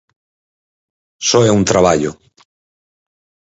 Só é un traballo.